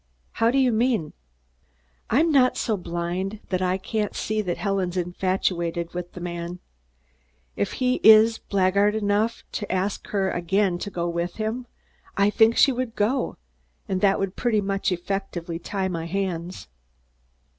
"How do you mean?" "I'm not so blind I can't see that Helen's infatuated with the man. If he is blackguard enough to ask her again to go with him, I think she would go, and that would pretty effectively tie my hands."